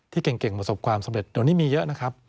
เก่งประสบความสำเร็จเดี๋ยวนี้มีเยอะนะครับ